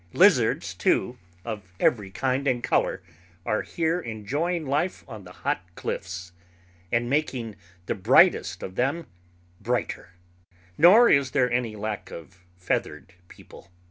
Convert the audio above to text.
Lizards, too, of every kind and color are here enjoying life on the hot cliffs, and making the brightest of them brighter. Nor is there any lack of feathered people.